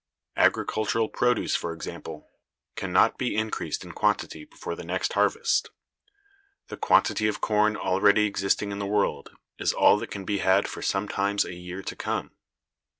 Agricultural produce, for example, can not be increased in quantity before the next harvest; the quantity of corn already existing in the world is all that can be had for sometimes a year to come.